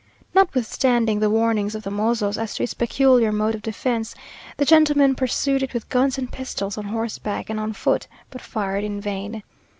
Notwithstanding the warnings of the mozos as to its peculiar mode of defence, the gentlemen pursued it with guns and pistols, on horseback and on foot, but fired in vain.